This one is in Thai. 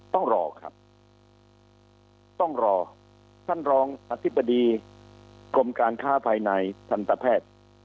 ต้องรอครับต้องรอท่านรองอธิบดีกรมการค้าภายในทันตแพทย์